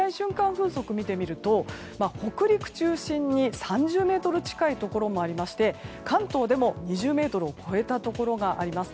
風速を見てみると北陸中心に３０メートル近いところもありまして関東でも２０メートルを超えたところがあります。